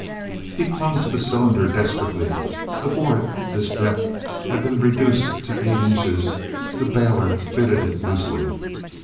He clung to the cylinder desperately. The bore, at this depth, had been reduced to eight inches; the bailer fitted it loosely.